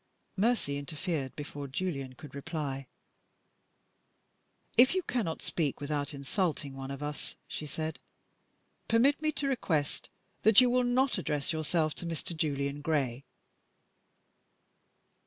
Mercy interfered before Julian could reply. "If you cannot speak without insulting one of us," she said, "permit me to request that you will not address yourself to Mr. Julian Gray."